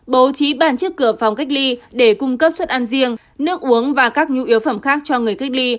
bố trí bàn trước cửa phòng cách ly để cung cấp xuất ăn riêng nước uống và các nhu yếu phẩm khác cho người cách ly